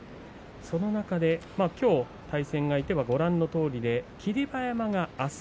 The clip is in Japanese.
その中で、きょう対戦相手はご覧のとおりで霧馬山があす